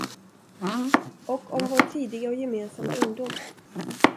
Och om vår tidiga och gemensamma ungdom.